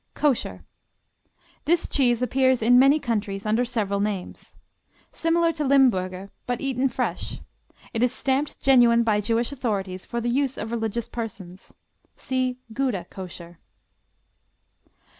Kosher This cheese appears in many countries under several names. Similar to Limburger, but eaten fresh. It is stamped genuine by Jewish authorities, for the use of religious persons. (See Gouda, Kosher.)